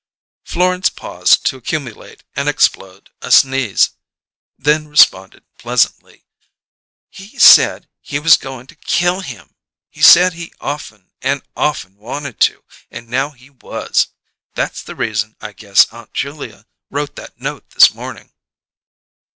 Florence paused to accumulate and explode a sneeze, then responded pleasantly: "He said he was goin' to kill him. He said he often and often wanted to, and now he was. That's the reason I guess Aunt Julia wrote that note this morning."